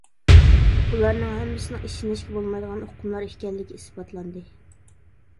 بۇلارنىڭ ھەممىسىنىڭ ئىشىنىشكە بولمايدىغان ئۇقۇملار ئىكەنلىكى ئىسپاتلاندى.